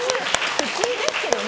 普通ですけどね。